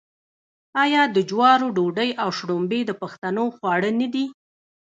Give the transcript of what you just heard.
آیا د جوارو ډوډۍ او شړومبې د پښتنو خواړه نه دي؟